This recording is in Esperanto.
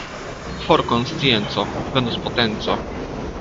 For konscienco, venos potenco.